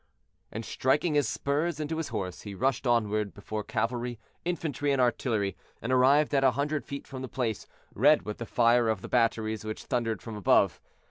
And striking his spurs into his horse, he rushed onward before cavalry, infantry, and artillery, and arrived at a hundred feet from the place, red with the fire of the batteries which thundered from above.